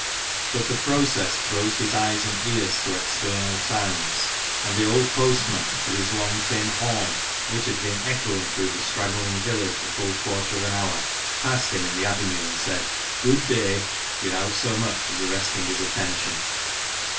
But the process closed his eyes and ears to external sounds, and the old postman, with his long tin horn, which had been echoing through the straggling village a full quarter of an hour, passed him in the avenue and said, " Good day," without so much as arresting his attention.